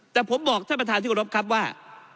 แต่ผมบอกท่านประธานที่กรบครับว่า